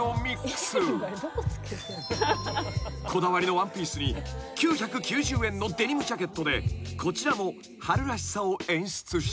［こだわりのワンピースに９９０円のデニムジャケットでこちらも春らしさを演出した］